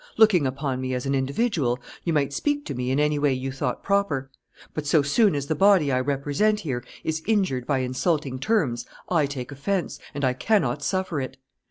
Looking upon me as an individual, you might speak to me in any way, you thought proper; but so soon as the body I represent here is injured by insulting terms, I take offence, and I cannot suffer it.